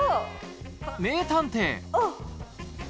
名探偵！